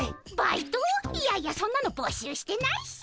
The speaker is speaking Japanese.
いやいやそんなの募集してないし。